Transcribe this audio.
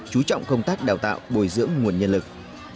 chú trọng công tác đào tạo bồi dưỡng nguồn nhân lực